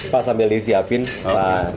pas ambil disiapin pak nassaruddin beri